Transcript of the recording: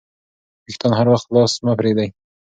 وېښتان هر وخت خلاص مه پریږدئ.